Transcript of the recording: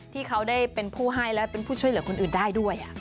ที่เขาได้เป็นผู้ให้และเป็นผู้ช่วยเหลือคนอื่นได้ด้วย